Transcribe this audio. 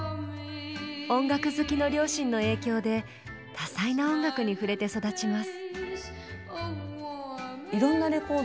音楽好きの両親の影響で多彩な音楽に触れて育ちます。